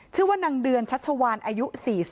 ชื่อว่านางเดือนชัชวานอายุ๔๐